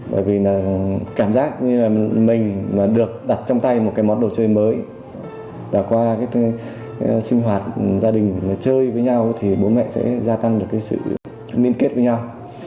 bởi vì là cảm giác như là mình mà được đặt trong tay một cái món đồ chơi mới và qua cái sinh hoạt gia đình chơi với nhau thì bố mẹ sẽ gia tăng được cái sự liên kết với nhau